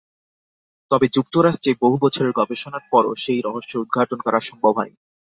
তবে যুক্তরাষ্ট্রে বহু বছরের গবেষণার পরও সেই রহস্য উদ্ঘাটন করা সম্ভব হয়নি।